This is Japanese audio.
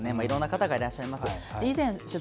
いろんな方がいらっしゃいます。